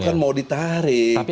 bukan mau ditarik